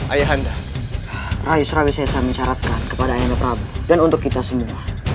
ayahanda raya surawi sesa mencaratkan kepada ayatnya prabu dan untuk kita semua